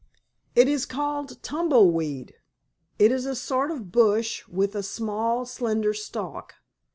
"It is called 'tumble weed.' It is a sort of bush, with a small, slender stalk.